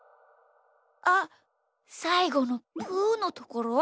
あさいごのプゥのところ？